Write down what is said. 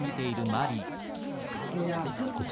おやつ！